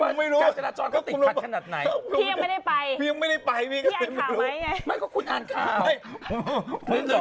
การจราจรเขาติดคันขนาดไหน